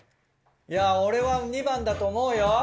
いや俺は２番だと思うよ？